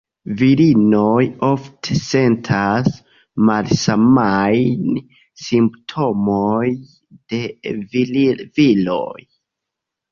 Virinoj ofte sentas malsamajn simptomoj de viroj.